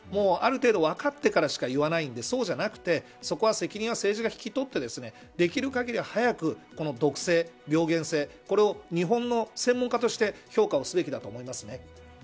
ある程度、分かってからしか言わないんでそうじゃなくてそこは責任を政治が引き取ってできる限り早く、毒性や病原性これを日本の専門家として評価すべきだと思います。